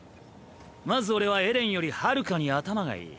まず俺はエレンよりはるかに頭がいい。